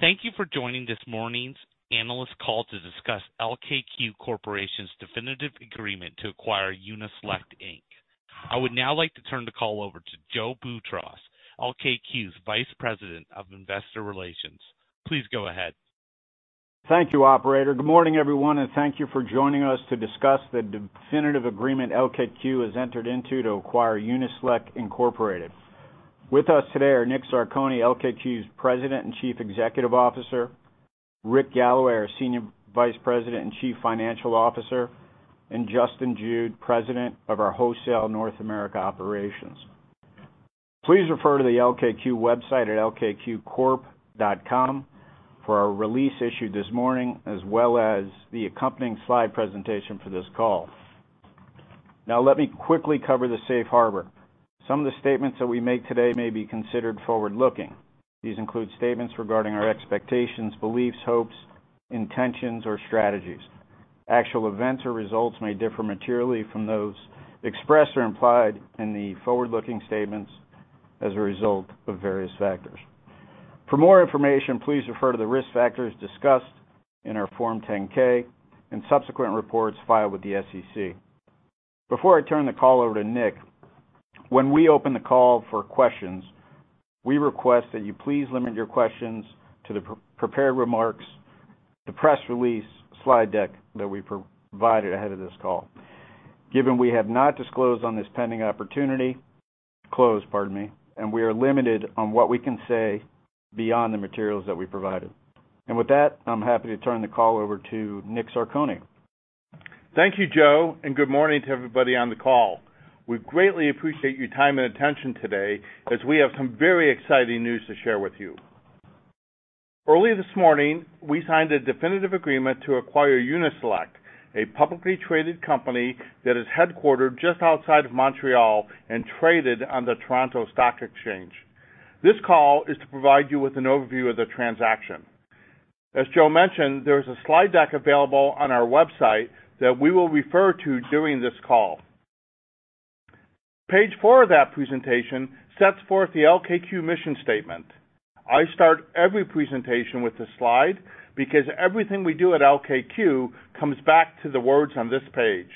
Thank you for joining this morning's analyst call to discuss LKQ Corporation's definitive agreement to acquire Uni-Select, Inc. I would now like to turn the call over to Joseph Boutross, LKQ's Vice President of Investor Relations. Please go ahead. Thank you, operator. Good morning, everyone, and thank you for joining us to discuss the definitive agreement LKQ has entered into to acquire Uni-Select Incorporated. With us today are Nick Zarcone, LKQ's President and Chief Executive Officer, Rick Galloway, our Senior Vice President and Chief Financial Officer, and Justin Jude, President of our Wholesale - North America. Please refer to the LKQ website at lkqcorp.com for our release issued this morning, as well as the accompanying slide presentation for this call. Now, let me quickly cover the safe harbor. Some of the statements that we make today may be considered forward-looking. These include statements regarding our expectations, beliefs, hopes, intentions, or strategies. Actual events or results may differ materially from those expressed or implied in the forward-looking statements as a result of various factors. For more information, please refer to the risk factors discussed in our Form 10-K and subsequent reports filed with the SEC. Before I turn the call over to Nick, when we open the call for questions, we request that you please limit your questions to the pre-prepared remarks, the press release slide deck that we provided ahead of this call. Given we have not closed, pardon me, and we are limited on what we can say beyond the materials that we provided. With that, I'm happy to turn the call over to Nick Zarcone. Thank you, Joe. Good morning to everybody on the call. We greatly appreciate your time and attention today as we have some very exciting news to share with you. Early this morning, we signed a definitive agreement to acquire Uni-Select, a publicly traded company that is headquartered just outside of Montreal and traded on the Toronto Stock Exchange. This call is to provide you with an overview of the transaction. Joe mentioned, there's a slide deck available on our website that we will refer to during this call. Page 4 of that presentation sets forth the LKQ mission statement. I start every presentation with this slide because everything we do at LKQ comes back to the words on this page.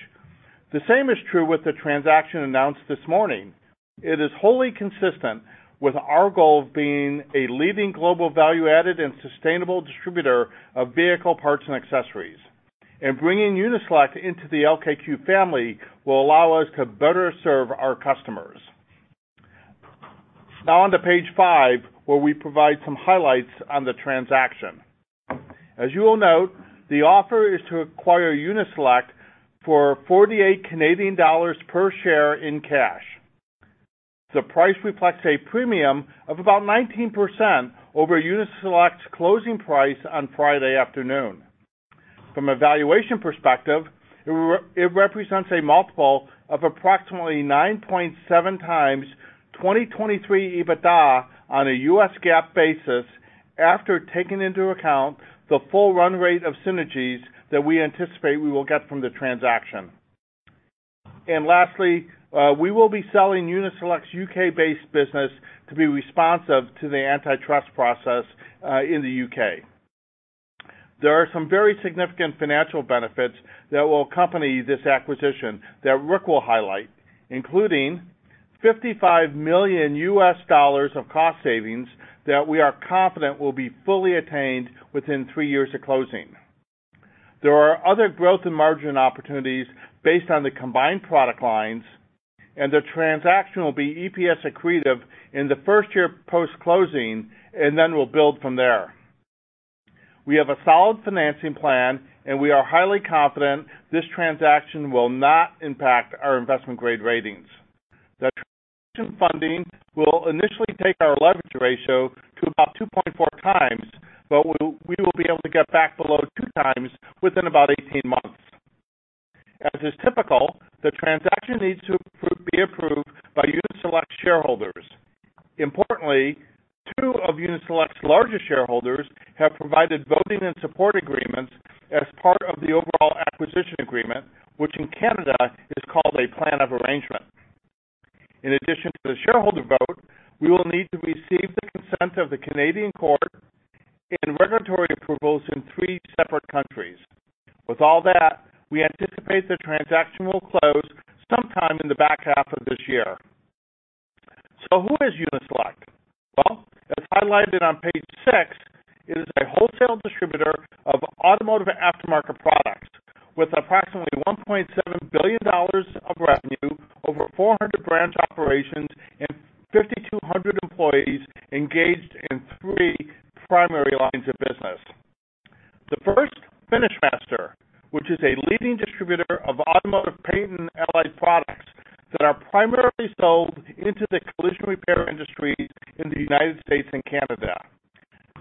The same is true with the transaction announced this morning. It is wholly consistent with our goal of being a leading global value-added and sustainable distributor of vehicle parts and accessories. Bringing Uni-Select into the LKQ family will allow us to better serve our customers. Now on to page five, where we provide some highlights on the transaction. As you will note, the offer is to acquire Uni-Select for 48 Canadian dollars per share in cash. The price reflects a premium of about 19% over Uni-Select's closing price on Friday afternoon. From a valuation perspective, it represents a multiple of approximately 9.7x 2023 EBITDA on a U.S. GAAP basis after taking into account the full run rate of synergies that we anticipate we will get from the transaction. Lastly, we will be selling Uni-Select's U.K.-based business to be responsive to the antitrust process in the U.K. There are some very significant financial benefits that will accompany this acquisition that Rick will highlight, including $55 million of cost savings that we are confident will be fully attained within three years of closing. There are other growth and margin opportunities based on the combined product lines. The transaction will be EPS accretive in the first year post-closing, then we'll build from there. We have a solid financing plan. We are highly confident this transaction will not impact our investment-grade ratings. The transition funding will initially take our leverage ratio to about 2.4 times, we will be able to get back below 2 times within about 18 months. As is typical, the transaction needs to be approved by Uni-Select's shareholders. Importantly, two of Uni-Select's largest shareholders have provided voting and support agreements as part of the overall acquisition agreement, which in Canada is called a plan of arrangement. In addition to the shareholder vote, we will need to receive the consent of the Canadian court and regulatory approvals in 3 separate countries. With all that, we anticipate the transaction will close sometime in the back half of this year. Who is Uni-Select? Well, as highlighted on page 6, it is a wholesale distributor of automotive aftermarket products with approximately $1.7 billion of revenue, over 400 branch operations, and 5,200 employees engaged in 3 primary lines of business. The first, FinishMaster, which is a leading distributor of automotive paint and allied products that are primarily sold into the collision repair industry in the United States and Canada.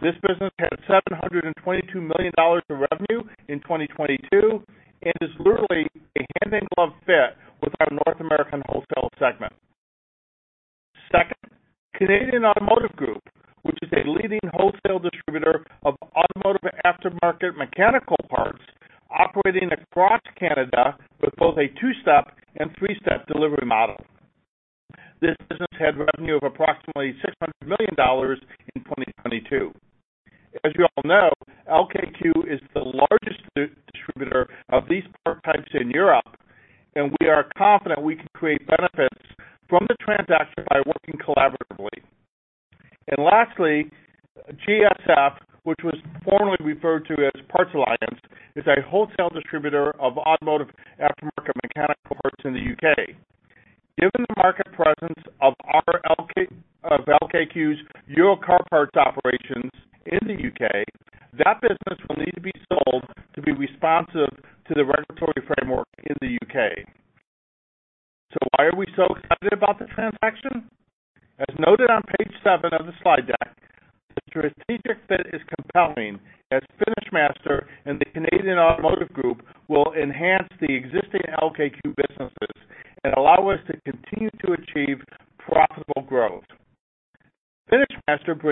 This business had $722 million in revenue in 2022 and is literally a hand-in-glove fit with our North American Wholesale segment. Second, Canadian Automotive Group, which is a leading wholesale distributor of automotive aftermarket mechanical parts operating across Canada with both a two-step and three-step delivery model. This business had revenue of approximately $600 million in 2022. As you all know, LKQ is the largest distributor of these part types in Europe, we are confident we can create benefits from the transaction by working collaboratively. Lastly, GSF, which was formerly referred to as The Parts Alliance, is a wholesale distributor of automotive aftermarket mechanical parts in the U.K. Given the market presence of LKQ Euro Car Parts operations in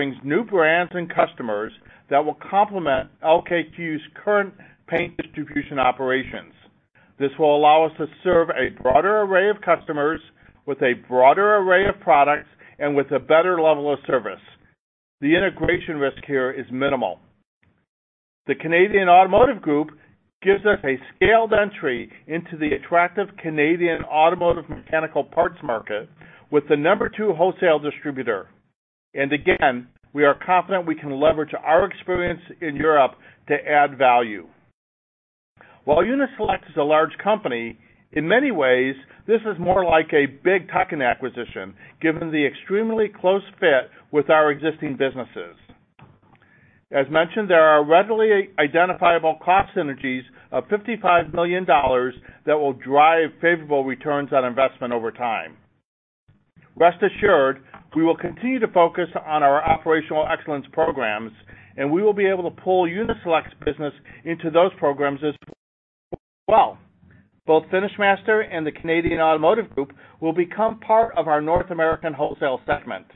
the U.K., that business will need to be sold to be responsive to the regulatory framework in the U.K. Why are we so excited about the transaction? As noted on page 7 of the slide deck, the strategic fit is compelling as FinishMaster and the Canadian Automotive Group will enhance the existing LKQ businesses and allow us to continue to achieve profitable growth. FinishMaster brings new brands and customers that will complement LKQ's current paint distribution operations. This will allow us to serve a broader array of customers with a broader array of products and with a better level of service. The integration risk here is minimal. The Canadian Automotive Group gives us a scaled entry into the attractive Canadian automotive mechanical parts market with the number 2 wholesale distributor. Again, we are confident we can leverage our experience in Europe to add value. While Uni-Select is a large company, in many ways, this is more like a big tuck-in acquisition, given the extremely close fit with our existing businesses. As mentioned, there are readily identifiable cost synergies of $55 million that will drive favorable returns on investment over time. Rest assured, we will continue to focus on our operational excellence programs, and we will be able to pull Uni-Select's business into those programs as well. Both FinishMaster and the Canadian Automotive Group will become part of our North American Wholesale Segment.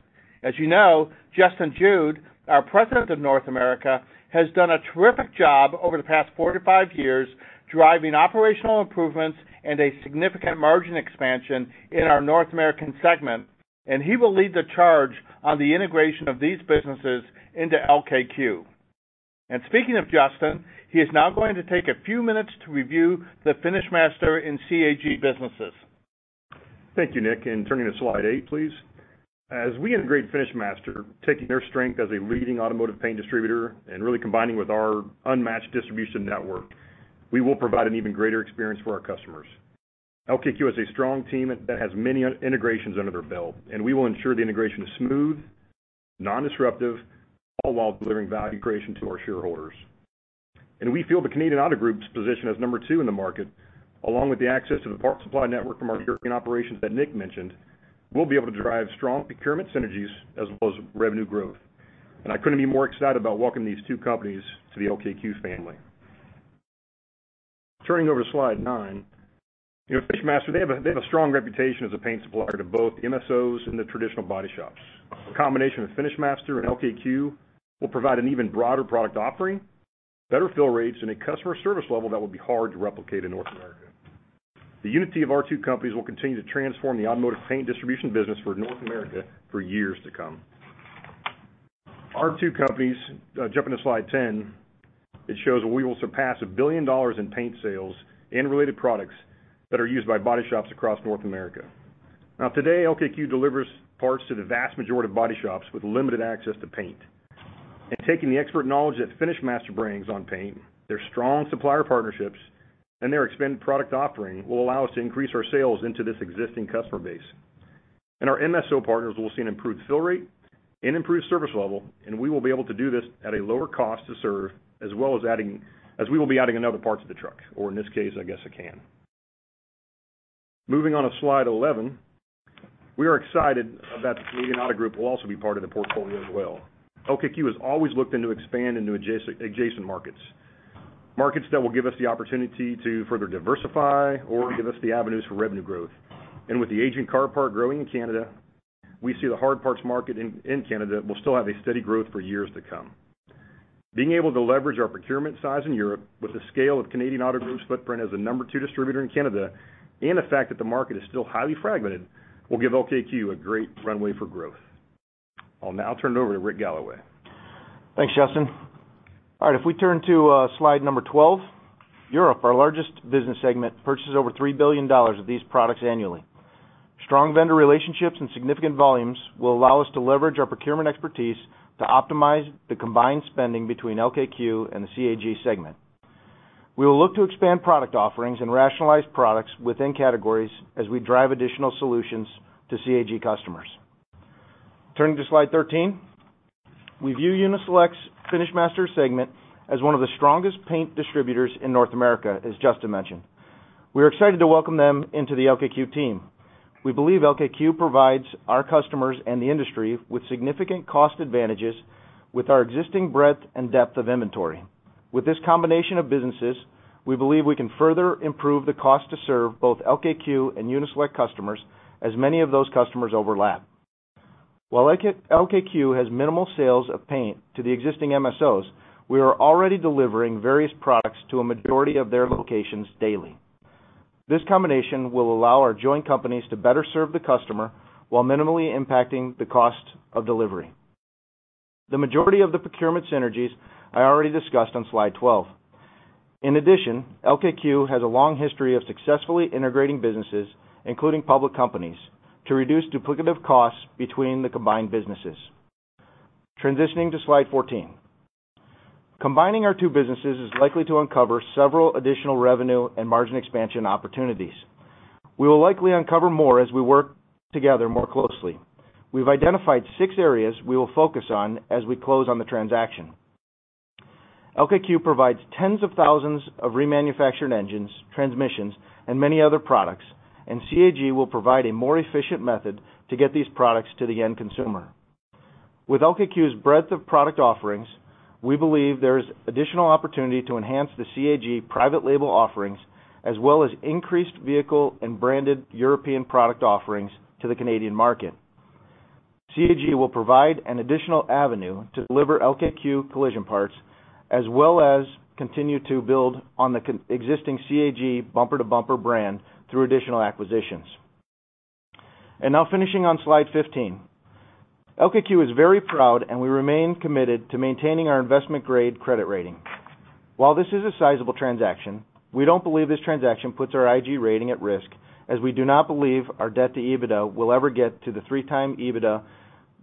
As you know, Justin Jude, our President of North America, has done a terrific job over the past 45 years driving operational improvements and a significant margin expansion in our North American Segment, and he will lead the charge on the integration of these businesses into LKQ. Speaking of Justin, he is now going to take a few minutes to review the FinishMaster in CAG businesses. Thank you, Nick, and turning to slide 8, please. As we integrate FinishMaster, taking their strength as a leading automotive paint distributor and really combining with our unmatched distribution network, we will provide an even greater experience for our customers. LKQ has a strong team that has many integrations under their belt. We will ensure the integration is smooth, non-disruptive, all while delivering value creation to our shareholders. We feel the Canadian Automotive Group's position as number 2 in the market, along with the access to the parts supply network from our European operations that Nick mentioned, we'll be able to drive strong procurement synergies as well as revenue growth. I couldn't be more excited about welcoming these two companies to the LKQ family. Turning over to slide 9. You know, FinishMaster, they have a strong reputation as a paint supplier to both MSOs and the traditional body shops. A combination of FinishMaster and LKQ will provide an even broader product offering, better fill rates, and a customer service level that will be hard to replicate in North America. The unity of our two companies will continue to transform the automotive paint distribution business for North America for years to come. Our two companies, jumping to slide 10, it shows that we will surpass $1 billion in paint sales and related products that are used by body shops across North America. Now, today, LKQ delivers parts to the vast majority of body shops with limited access to paint. Taking the expert knowledge that FinishMaster brings on paint, their strong supplier partnerships, and their expanded product offering will allow us to increase our sales into this existing customer base. Our MSO partners will see an improved fill rate and improved service level, and we will be able to do this at a lower cost to serve, as well as adding another parts to the truck, or in this case, I guess, a can. Moving on to slide 11. We are excited that the Canadian Automotive Group will also be part of the portfolio as well. LKQ has always looked in to expand into adjacent markets that will give us the opportunity to further diversify or give us the avenues for revenue growth. With the aging car part growing in Canada, we see the hard parts market in Canada will still have a steady growth for years to come. Being able to leverage our procurement size in Europe with the scale of Canadian Automotive Group's footprint as the number 2 distributor in Canada and the fact that the market is still highly fragmented will give LKQ a great runway for growth. I'll now turn it over to Rick Galloway. Thanks, Justin. All right, if we turn to slide 12. Europe, our largest business segment, purchases over $3 billion of these products annually. Strong vendor relationships and significant volumes will allow us to leverage our procurement expertise to optimize the combined spending between LKQ and the CAG segment. We will look to expand product offerings and rationalize products within categories as we drive additional solutions to CAG customers. Turning to slide 13. We view Uni-Select's FinishMaster segment as one of the strongest paint distributors in North America, as Justin mentioned. We're excited to welcome them into the LKQ team. We believe LKQ provides our customers and the industry with significant cost advantages with our existing breadth and depth of inventory. With this combination of businesses, we believe we can further improve the cost to serve both LKQ and Uni-Select customers, as many of those customers overlap. While LKQ has minimal sales of paint to the existing MSOs, we are already delivering various products to a majority of their locations daily. This combination will allow our joint companies to better serve the customer while minimally impacting the cost of delivery. The majority of the procurement synergies I already discussed on slide 12. In addition, LKQ has a long history of successfully integrating businesses, including public companies, to reduce duplicative costs between the combined businesses. Transitioning to slide 14. Combining our two businesses is likely to uncover several additional revenue and margin expansion opportunities. We will likely uncover more as we work together more closely. We've identified six areas we will focus on as we close on the transaction. LKQ provides tens of thousands of remanufactured engines, transmissions, and many other products, and CAG will provide a more efficient method to get these products to the end consumer. With LKQ's breadth of product offerings, we believe there is additional opportunity to enhance the CAG private label offerings, as well as increased vehicle and branded European product offerings to the Canadian market. CAG will provide an additional avenue to deliver LKQ collision parts, as well as continue to build on the existing CAG Bumper to Bumper brand through additional acquisitions. Now finishing on slide 15. LKQ is very proud, and we remain committed to maintaining our investment-grade credit rating. While this is a sizable transaction, we don't believe this transaction puts our IG rating at risk, as we do not believe our debt-to-EBITDA will ever get to the 3-time EBITDA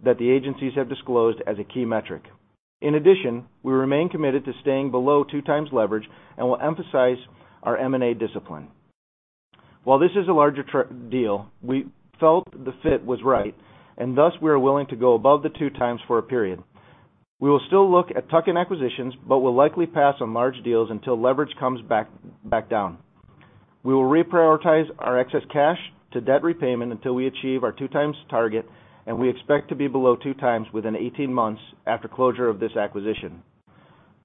that the agencies have disclosed as a key metric. In addition, we remain committed to staying below 2 times leverage and will emphasize our M&A discipline. While this is a larger deal, we felt the fit was right, and thus, we are willing to go above the 2 times for a period. We will still look at tuck-in acquisitions, but will likely pass on large deals until leverage comes back down. We will reprioritize our excess cash to debt repayment until we achieve our 2 times target, and we expect to be below 2 times within 18 months after closure of this acquisition.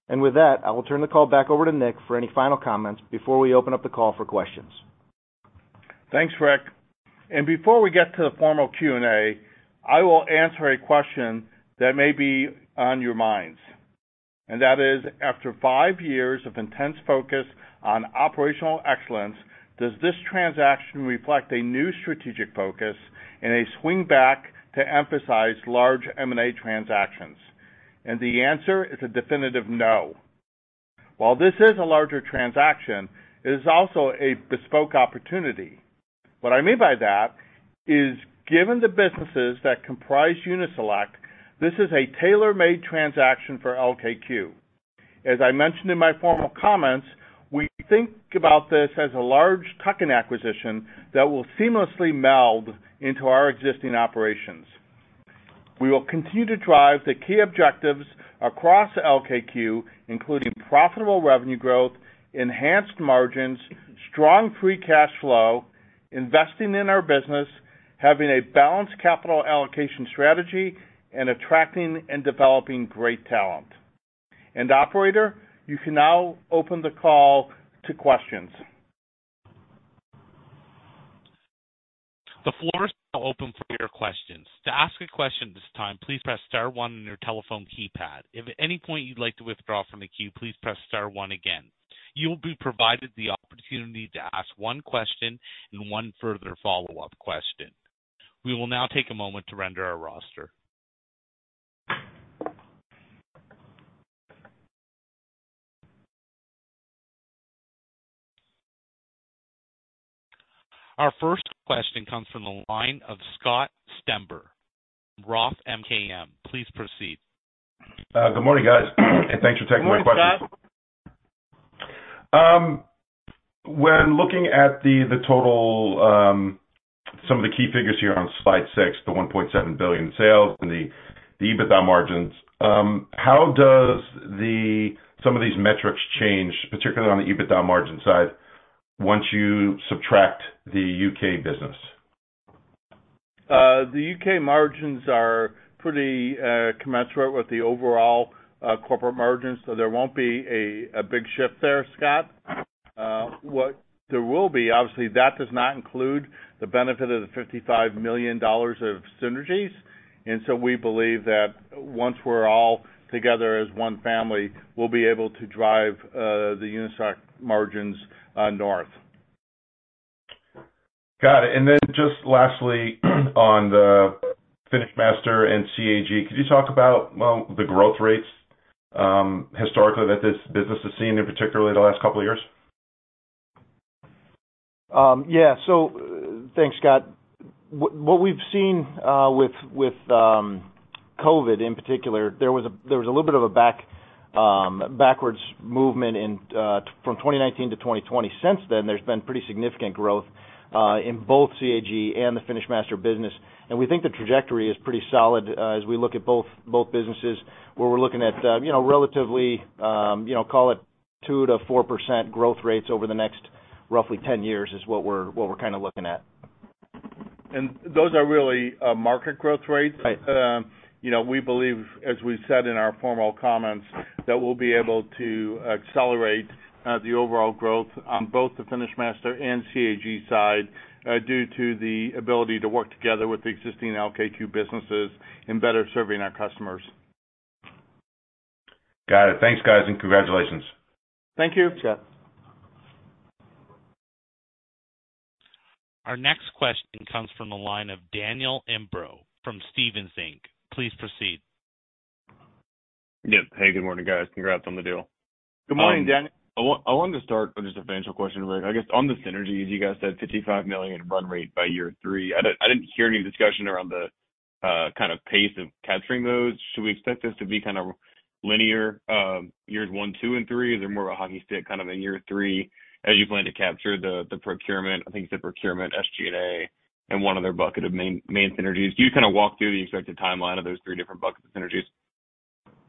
With that, I will turn the call back over to Nick for any final comments before we open up the call for questions. Thanks, Rick. Before we get to the formal Q&A, I will answer a question that may be on your minds. That is, after 5 years of intense focus on operational excellence, does this transaction reflect a new strategic focus and a swing back to emphasize large M&A transactions? The answer is a definitive no. While this is a larger transaction, it is also a bespoke opportunity. What I mean by that is, given the businesses that comprise Uni-Select, this is a tailor-made transaction for LKQ. As I mentioned in my formal comments, we think about this as a large tuck-in acquisition that will seamlessly meld into our existing operations. We will continue to drive the key objectives across LKQ, including profitable revenue growth, enhanced margins, strong free cash flow, investing in our business, having a balanced capital allocation strategy, and attracting and developing great talent. Operator, you can now open the call to questions. The floor is now open for your questions. To ask a question this time, please press star one on your telephone keypad. If at any point you'd like to withdraw from the queue, please press star one again. You'll be provided the opportunity to ask one question and one further follow-up question. We will now take a moment to render our roster. Our first question comes from the line of Scott Stember, Roth MKM. Please proceed. Good morning, guys. Thanks for taking my question. Good morning, Scott. When looking at the total, some of the key figures here on slide 6, the $1.7 billion sales and the EBITDA margins, how do some of these metrics change, particularly on the EBITDA margin side, once you subtract the U.K. business? The UK margins are pretty commensurate with the overall corporate margins, so there won't be a big shift there, Scott. What there will be, obviously, that does not include the benefit of the $55 million of synergies. We believe that once we're all together as one family, we'll be able to drive the Uni-Select margins north. Got it. Just lastly, on the FinishMaster and CAG, could you talk about, well, the growth rates historically that this business has seen in particularly the last couple of years? Yeah. Thanks, Scott. What we've seen with COVID in particular, there was a little bit of a backwards movement in from 2019 to 2020. Since then, there's been pretty significant growth in both CAG and the FinishMaster business. We think the trajectory is pretty solid as we look at both businesses, where we're looking at, you know, relatively, you know, call it 2%-4% growth rates over the next roughly 10 years is what we're kinda looking at. Those are really, market growth rates. Right. You know, we believe, as we said in our formal comments, that we'll be able to accelerate the overall growth on both the FinishMaster and CAG side, due to the ability to work together with the existing LKQ businesses in better serving our customers. Got it. Thanks, guys. Congratulations. Thank you. Yep. Our next question comes from the line of Daniel Imbro from Stephens Inc. Please proceed. Yep. Hey, good morning, guys. Congrats on the deal. Good morning, Daniel. I wanted to start with just a financial question, Rick. I guess on the synergies, you guys said $55 million run rate by year 3. I didn't hear any discussion around the kind of pace of capturing those. Should we expect this to be kind of linear, years 1, 2, and 3? Is there more of a hockey stick kind of in year 3 as you plan to capture the procurement, I think you said procurement, SG&A, and one other bucket of main synergies? Can you kind of walk through the expected timeline of those three different buckets of synergies?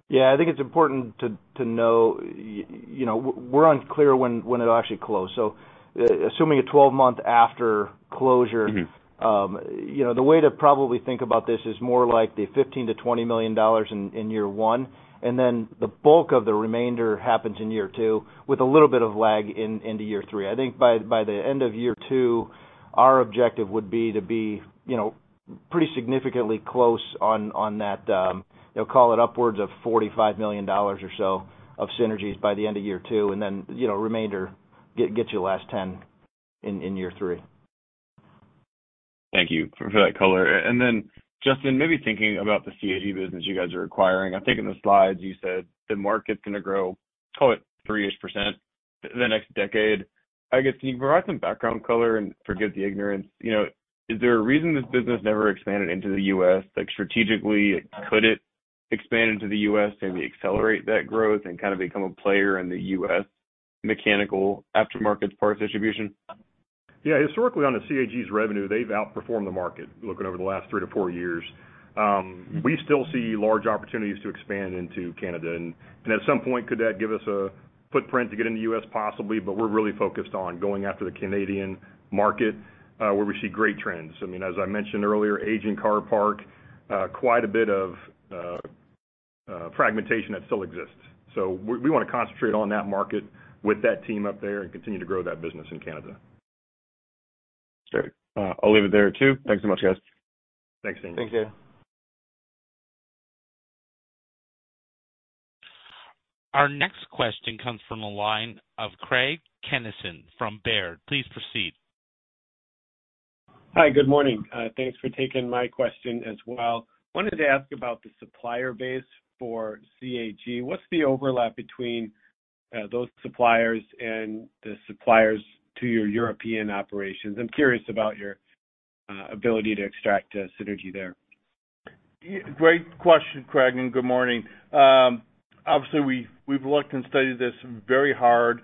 Yeah. I think it's important to know, you know, we're unclear when it'll actually close. Assuming a 12-month after closure- Mm-hmm. You know, the way to probably think about this is more like the $15 million-$20 million in year one, and then the bulk of the remainder happens in year two with a little bit of lag into year three. I think by the end of year two, our objective would be to be, you know, pretty significantly close on that, you know, call it upwards of $45 million or so of synergies by the end of year two, and then, you know, remainder gets you the last 10 in year three. Thank you for that color. Justin, maybe thinking about the CAG business you guys are acquiring. I think in the slides you said the market's gonna grow, call it 3-ish% the next decade. Can you provide some background color, and forgive the ignorance, you know, is there a reason this business never expanded into the U.S.? Like, strategically, could it expand into the U.S., maybe accelerate that growth and kind of become a player in the U.S. mechanical aftermarket parts distribution? Yeah. Historically, on the CAG's revenue, they've outperformed the market, looking over the last three to four years. We still see large opportunities to expand into Canada. At some point, could that give us a footprint to get in the U.S.? Possibly, but we're really focused on going after the Canadian market, where we see great trends. I mean, as I mentioned earlier, aging car park, quite a bit of fragmentation that still exists. We wanna concentrate on that market with that team up there and continue to grow that business in Canada. Sure. I'll leave it there too. Thanks so much, guys. Thanks, Daniel. Thanks, Daniel. Our next question comes from the line of Craig Kennison from Baird. Please proceed. Hi. Good morning. Thanks for taking my question as well. Wanted to ask about the supplier base for CAG. What's the overlap between those suppliers and the suppliers to your European operations? I'm curious about your ability to extract synergy there. Great question, Craig, good morning. Obviously we've looked and studied this very hard.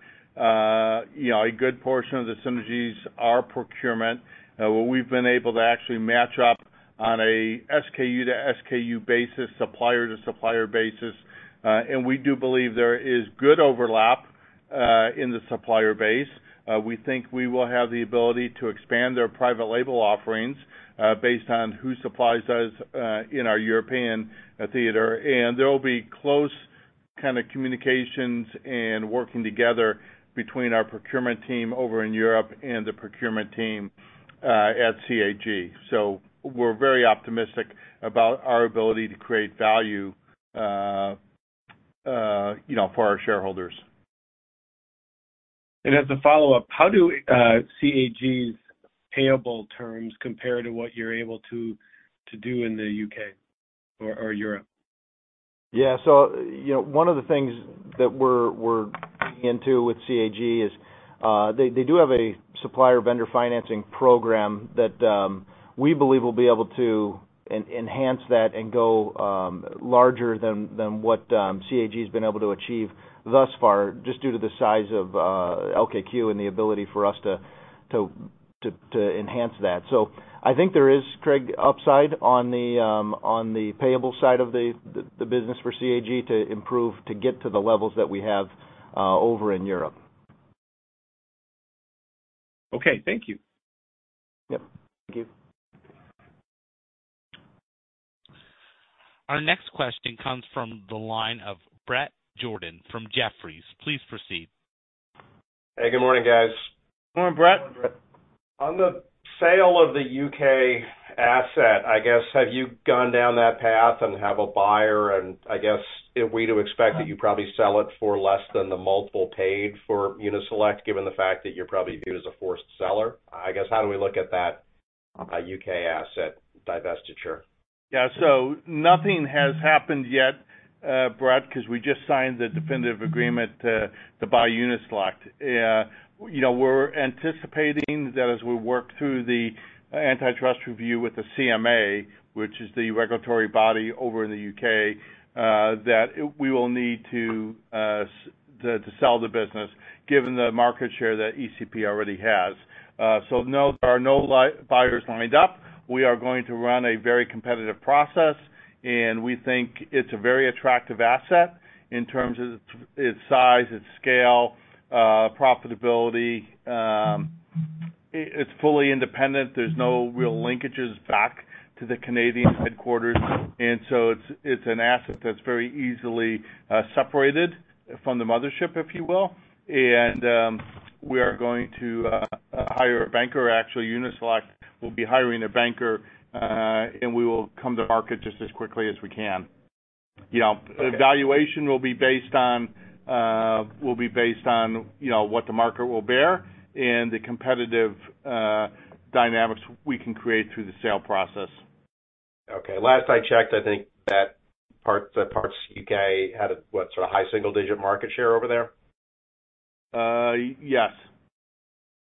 You know, a good portion of the synergies are procurement, where we've been able to actually match up on a SKU-to-SKU basis, supplier-to-supplier basis. We do believe there is good overlap in the supplier base. We think we will have the ability to expand their private label offerings, based on who supplies us in our European theater. There will be close kind of communications and working together between our procurement team over in Europe and the procurement team at CAG. We're very optimistic about our ability to create value, you know, for our shareholders. As a follow-up, how do CAG's payable terms compare to what you're able to do in the UK or Europe? Yeah. You know, one of the things that we're into with CAG is they do have a supplier vendor financing program that we believe we'll be able to enhance that and go larger than what CAG has been able to achieve thus far just due to the size of LKQ and the ability for us to enhance that. I think there is, Craig, upside on the payable side of the business for CAG to improve to get to the levels that we have over in Europe. Okay. Thank you. Yep. Thank you. Our next question comes from the line of Bret Jordan from Jefferies. Please proceed. Hey, good morning, guys. Good morning, Bret. Morning, Bret. On the sale of the U.K. asset, I guess, have you gone down that path and have a buyer? I guess, are we to expect that you probably sell it for less than the multiple paid for Uni-Select, given the fact that you're probably viewed as a forced seller? I guess, how do we look at that U.K. asset divestiture? Nothing has happened yet, Bret, 'cause we just signed the definitive agreement to buy Uni-Select. You know, we're anticipating that as we work through the antitrust review with the CMA, which is the regulatory body over in the UK, that we will need to sell the business given the market share that ECP already has. No, there are no buyers lined up. We are going to run a very competitive process, and we think it's a very attractive asset in terms of its size, its scale, profitability. It's fully independent. There's no real linkages back to the Canadian headquarters. It's an asset that's very easily separated from the mothership, if you will. We are going to hire a banker. Actually, Uni-Select will be hiring a banker, and we will come to market just as quickly as we can. You know, valuation will be based on, you know, what the market will bear and the competitive dynamics we can create through the sale process. Okay. Last I checked, I think that Parts U.K. had, what, sort of high single-digit market share over there? Yes.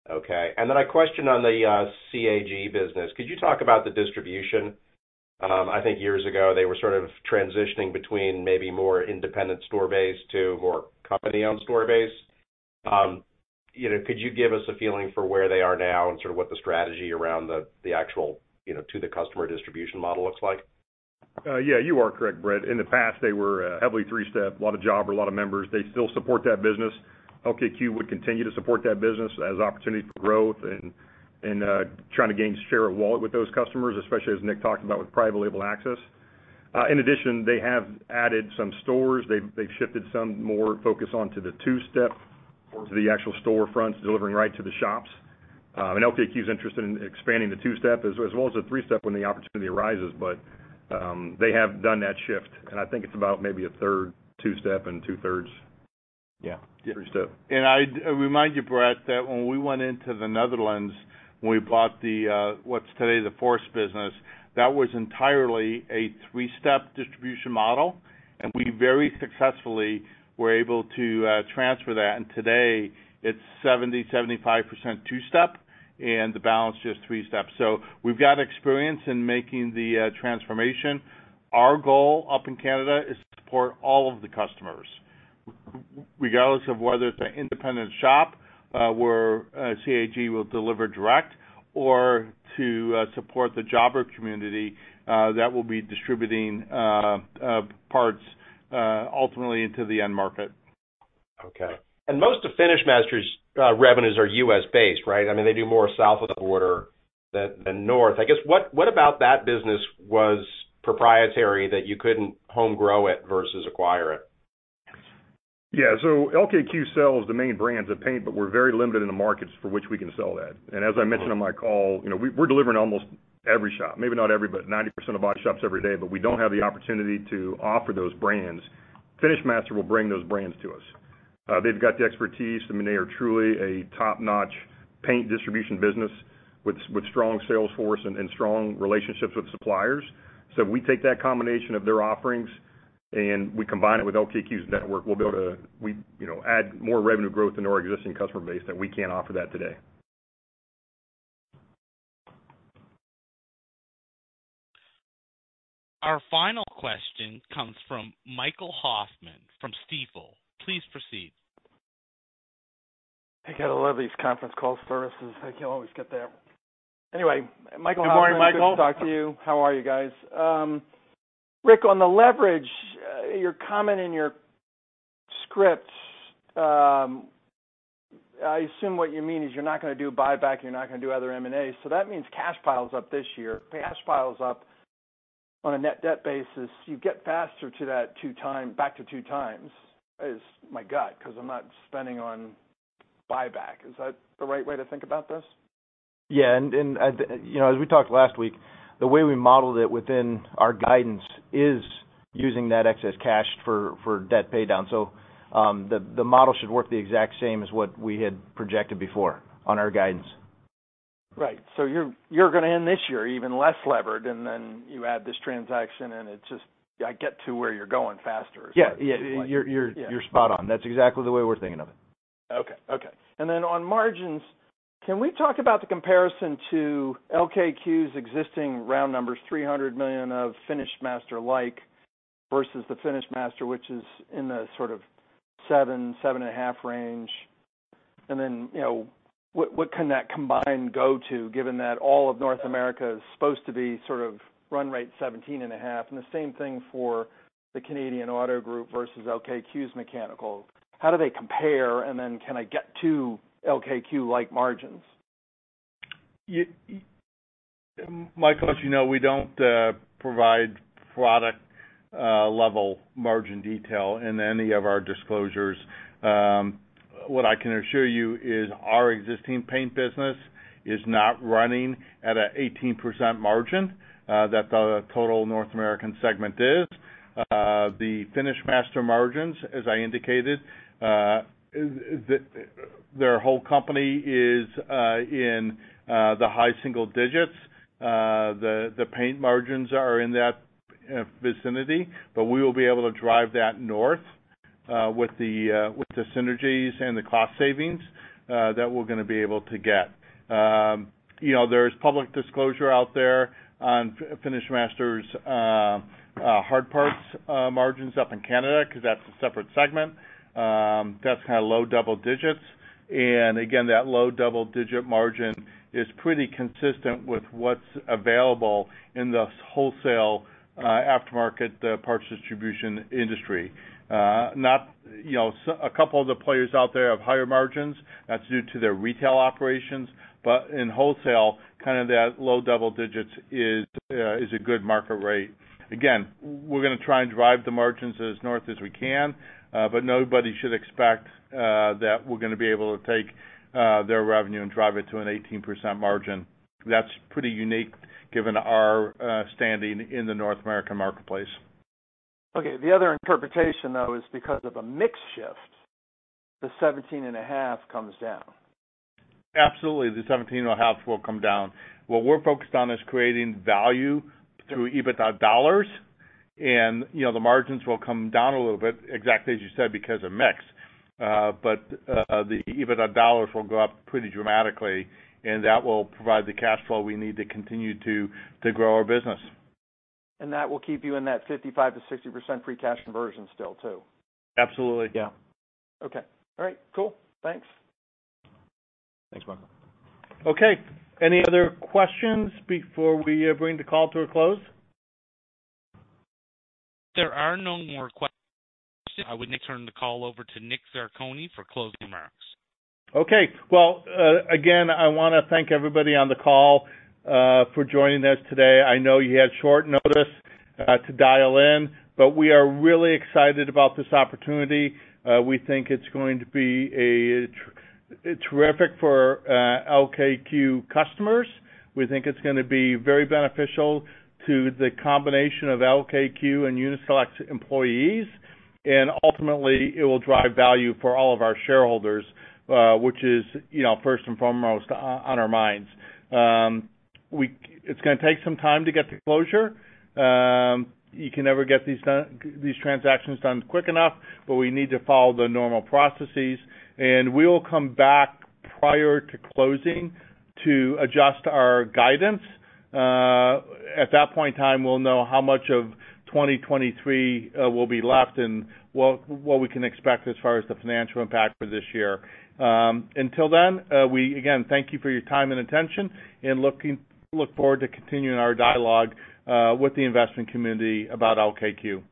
Okay. A question on the CAG business. Could you talk about the distribution? I think years ago, they were sort of transitioning between maybe more independent store base to more company-owned store base. You know, could you give us a feeling for where they are now and sort of what the strategy around the actual, you know, to the customer distribution model looks like? Yeah. You are correct, Bret. In the past, they were heavily three-step, a lot of job or a lot of members. They still support that business. LKQ would continue to support that business as opportunity for growth and trying to gain share of wallet with those customers, especially as Nick talked about with private label access. In addition, they have added some stores. They've, they've shifted some more focus onto the two-step or to the actual storefronts, delivering right to the shops. LKQ's interested in expanding the two-step as well as the three-step when the opportunity arises. They have done that shift, and I think it's about maybe 1/3 two-step and 2/3- Yeah. -three-step. I'd remind you, Bret, that when we went into the Netherlands, when we bought the, what's today the Fource business, that was entirely a three-step distribution model, and we very successfully were able to transfer that. Today, it's 70%-75% two-step, and the balance just three-step. We've got experience in making the transformation. Our goal up in Canada is to support all of the customers, regardless of whether it's an independent shop, where CAG will deliver direct or to support the job or community that will be distributing parts ultimately into the end market. Okay. Most of FinishMaster's revenues are U.S.-based, right? I mean, they do more south of the border than north. I guess, what about that business was proprietary that you couldn't home grow it versus acquire it? Yeah. LKQ sells the main brands of paint, but we're very limited in the markets for which we can sell that. As I mentioned on my call, you know, we're delivering almost every shop, maybe not every, but 90% of our shops every day, but we don't have the opportunity to offer those brands. FinishMaster will bring those brands to us. They've got the expertise. I mean, they are truly a top-notch paint distribution business with strong sales force and strong relationships with suppliers. We take that combination of their offerings and we combine it with LKQ's network. We'll be able to, you know, add more revenue growth into our existing customer base than we can't offer that today. Our final question comes from Michael Hoffman from Stifel. Please proceed. I gotta love these conference call services. I can't always get there. Michael Hoffman. Good morning, Michael. Good to talk to you. How are you guys? Rick, on the leverage, your comment in your script, I assume what you mean is you're not gonna do buyback, you're not gonna do other M&A. That means cash piles up this year. Cash piles up on a net debt basis. You get faster to that back to 2 times is my gut 'cause I'm not spending on buyback. Is that the right way to think about this? Yeah. And, you know, as we talked last week, the way we modeled it within our guidance is using that excess cash for debt pay down. The model should work the exact same as what we had projected before on our guidance. Right. You're gonna end this year even less levered, and then you add this transaction and it just, I get to where you're going faster is what it seems like. Yeah. You're spot on. That's exactly the way we're thinking of it. Okay. Okay. On margins, can we talk about the comparison to LKQ's existing round numbers, $300 million of FinishMaster like versus the FinishMaster, which is in the sort of 7%-7.5% range? You know, what can that combined go to, given that all of North America is supposed to be sort of run rate 17.5%? The same thing for the Canadian Automotive Group versus LKQ's Mechanical. How do they compare, can I get to LKQ-like margins? Michael, as you know, we don't provide product level margin detail in any of our disclosures. What I can assure you is our existing paint business is not running at a 18% margin that the total North American segment is. The FinishMaster margins, as I indicated, their whole company is in the high single digits. The paint margins are in that vicinity, but we will be able to drive that north with the synergies and the cost savings that we're gonna be able to get. You know, there's public disclosure out there on FinishMaster's hard parts margins up in Canada 'cause that's a separate segment. That's kind of low double digits. Again, that low double-digit margin is pretty consistent with what's available in the wholesale aftermarket parts distribution industry. You know, a couple of the players out there have higher margins. That's due to their retail operations. In wholesale, kind of that low double digits is a good market rate. Again, we're gonna try and drive the margins as north as we can, but nobody should expect that we're gonna be able to take their revenue and drive it to an 18% margin. That's pretty unique given our standing in the North American marketplace. Okay. The other interpretation, though, is because of a mix shift, the 17.5% comes down. Absolutely, the 17.5 will come down. What we're focused on is creating value through EBITDA dollars, you know, the margins will come down a little bit, exactly as you said, because of mix. The EBITDA dollars will go up pretty dramatically, and that will provide the cash flow we need to continue to grow our business. That will keep you in that 55%-60% free cash conversion still too? Absolutely, yeah. Okay. All right, cool. Thanks. Thanks, Michael. Okay. Any other questions before we bring the call to a close? If there are no more questions, I would now turn the call over to Dominick Zarcone for closing remarks. Okay. Well, again, I wanna thank everybody on the call for joining us today. I know you had short notice to dial in, but we are really excited about this opportunity. We think it's going to be a terrific for LKQ customers. We think it's gonna be very beneficial to the combination of LKQ and Uni-Select employees. Ultimately, it will drive value for all of our shareholders, which is, you know, first and foremost on our minds. It's gonna take some time to get to closure. You can never get these transactions done quick enough, but we need to follow the normal processes. We'll come back prior to closing to adjust our guidance. At that point in time, we'll know how much of 2023 will be left and what we can expect as far as the financial impact for this year. Until then, we again thank you for your time and attention and look forward to continuing our dialogue with the investment community about LKQ.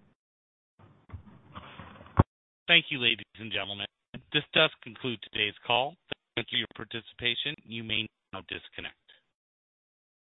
Thank you, ladies and gentlemen. This does conclude today's call. Thank you for your participation. You may now disconnect.